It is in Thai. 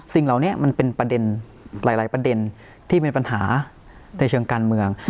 สิ่งเหล่านี้มันเป็นประเด็นหลายประเด็นที่เป็นปัญหาในเชิงการเมือง